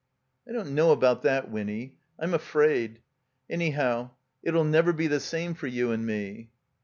I don't know about that, Winny. I'm afraid. Anyhow, it '11 never be the same for you and me."